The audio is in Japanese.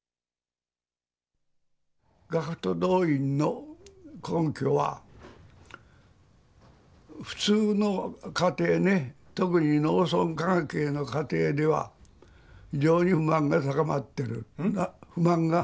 学徒動員の根拠は普通の家庭ね特に農村関係の家庭では非常に不満が高まってる。